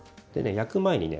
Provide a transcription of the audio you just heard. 焼く前にね